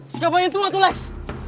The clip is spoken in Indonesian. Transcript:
si kabar yang tua tuh leks